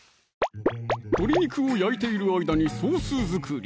鶏肉を焼いてる間にソース作り！